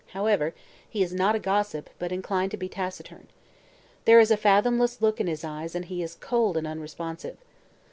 However, he is not a gossip, but inclined to be taciturn. There is a fathomless look in his eyes and he is cold and unresponsive.